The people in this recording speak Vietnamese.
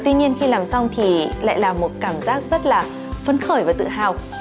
tuy nhiên khi làm xong thì lại là một cảm giác rất là phấn khởi và tự hào